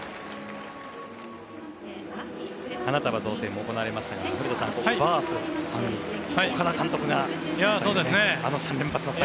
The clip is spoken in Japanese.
花束贈呈も行われましたが古田さん、バースさん岡田監督があの３連発だった。